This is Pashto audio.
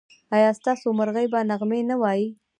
ایا ستاسو مرغۍ به نغمې نه وايي؟